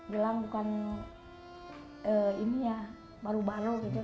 gilang bukan baru baru